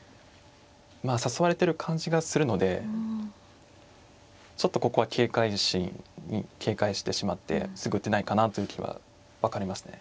まあ誘われてる感じがするのでちょっとここは警戒してしまってすぐ打てないかなという気は分かりますね。